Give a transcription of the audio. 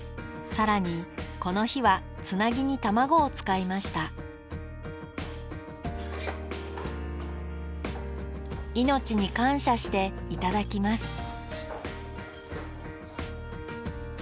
更にこの日はつなぎに卵を使いました命に感謝して頂きます